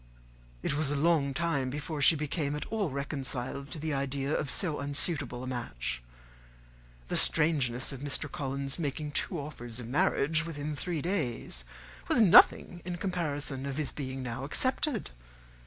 It was a long time before she became at all reconciled to the idea of so unsuitable a match. The strangeness of Mr. Collins's making two offers of marriage within three days was nothing in comparison of his being now accepted.